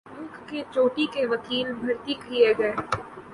ملک کے چوٹی کے وکیل بھرتی کیے گئے۔